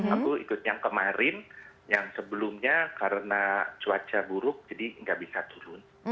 aku ikut yang kemarin yang sebelumnya karena cuaca buruk jadi nggak bisa turun